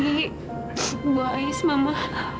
ini buah ais mama